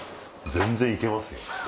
全然行けますよ。